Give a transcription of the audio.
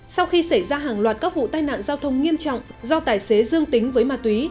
sau khi xảy ra hàng loạt các vụ tai nạn giao thông nghiêm trọng do tài xế dương tính với ma túy